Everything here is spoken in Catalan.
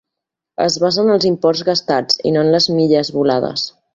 Es basa en els imports gastats i no en les milles volades.